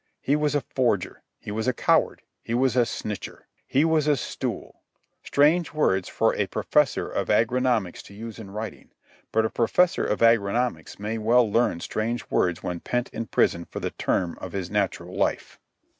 He was a forger. He was a coward. He was a snitcher. He was a stool—strange words for a professor of agronomics to use in writing, but a professor of agronomics may well learn strange words when pent in prison for the term of his natural life.